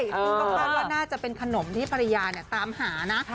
คุณก็ว่าน่าจะเป็นขนมที่ภรรยาเนี่ยตามหานะ